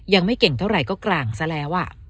ยังไม่เก่งเท่าไหร่ก็กลางซะแล้ว